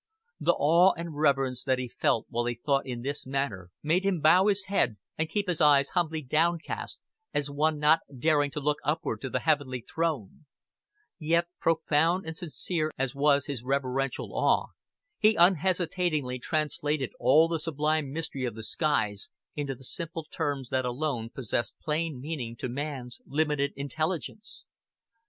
The awe and reverence that he felt while he thought in this manner made him bow his head and keep his eyes humbly downcast, as one not daring to look upward to the heavenly throne; yet, profound and sincere as was his reverential awe, he unhesitatingly translated all the sublime mystery of the skies into the simple terms that alone possess plain meaning to man's limited intelligence.